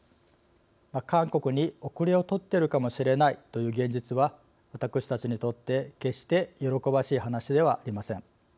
韓国に後れを取っているかもしれないという現実は私たちにとって決して喜ばしい話ではありません。